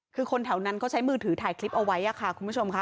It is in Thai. คือคนแถวนั้นเขาใช้มือถือถ่ายคลิปเอาไว้ค่ะคุณผู้ชมค่ะ